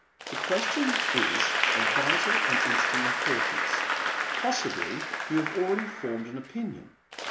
The question is of vital and instant importance. Pos sibly you have already formed an opinion.